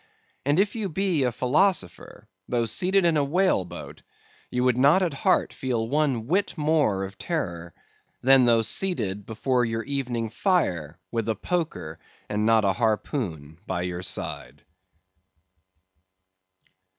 And if you be a philosopher, though seated in the whale boat, you would not at heart feel one whit more of terror, than though seated before your evening fire with a poker, and not a harpoon, by your side.